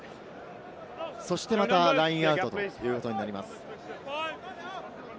そしてまたラインアウトということになります。